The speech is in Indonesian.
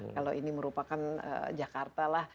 kalau ini merupakan jakarta lah